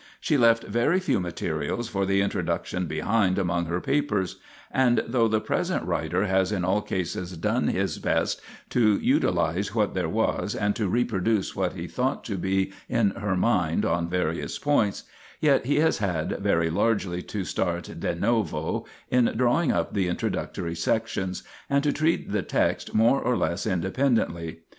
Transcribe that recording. She left very few materials for the Introduction behind xvi INTRODUCTION among her papers, and though the present writer has in all cases done his best to utilize what there was and to reproduce what he thought to be in her mind on various points, yet he has had very largely to start de novo in drawing up the introductory sections, and to treat the text more or less independently.